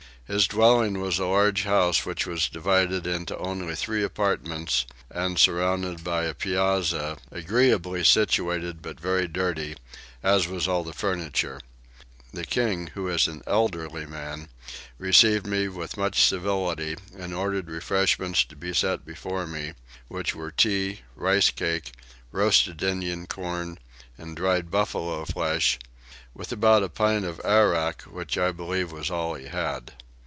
His dwelling was a large house which was divided into only three apartments and surrounded by a piazza, agreeably situated but very dirty, as was all the furniture. The king, who is an elderly man, received me with much civility and ordered refreshments to be set before me, which were tea, rice cakes, roasted Indian corn, and dried buffalo flesh, with about a pint of arrack, which I believe was all he had.